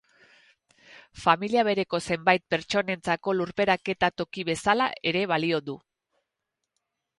Familia bereko zenbait pertsonentzako lurperaketa toki bezala ere balio du.